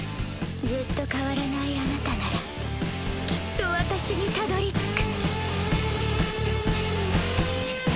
ずっと変わらないあなたならきっと私にたどりつく。